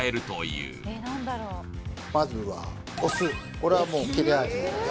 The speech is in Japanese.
これはもう切れ味ですね